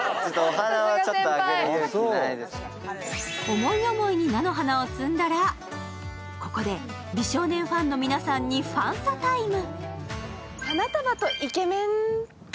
思い思いに菜の花を摘んだらここで美少年ファンの皆さんにファンサタイム。